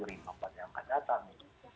yang akan datang